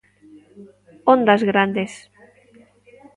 Ondas grandes.